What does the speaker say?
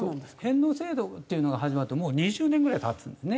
返納制度っていうのが始まってもう２０年ぐらい経つんですね。